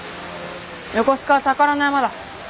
横須賀は宝の山だ。